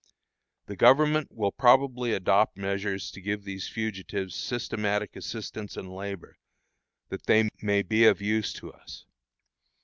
The government will probably adopt measures to give these fugitives systematic assistance and labor, that they may be of use to us.